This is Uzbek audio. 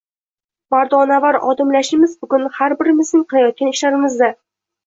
Mardonavor odimlashimiz bugun har birimizning qilayotgan ishlarimizda